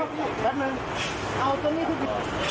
แป๊บนึง